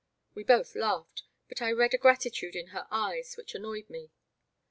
We both laughed, but I read a gratitude in her eyes which annoyed me.